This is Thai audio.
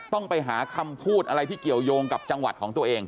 ต้องไปหาคำพูดอะไรที่เกี่ยวยงกับจังหวัดของตัวเอง